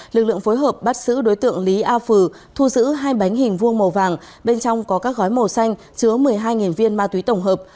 lực lượng phối hợp bắt giữ đối tượng lý a phừ thu giữ hai bánh hình vuông màu vàng bên trong có các gói màu xanh chứa một mươi hai viên ma túy tổng hợp